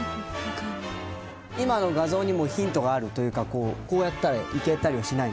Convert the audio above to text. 今の画像にもヒントがあるというかこうこうやったらいけたりはしないんですか？